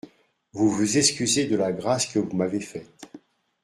Vous vous excusez de la grâce que vous m'avez faite.